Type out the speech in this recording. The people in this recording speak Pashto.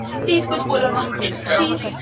او ضمناً د ځنګله !.